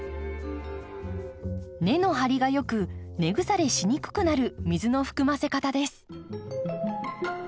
根の張りがよく根腐れしにくくなる水の含ませ方です。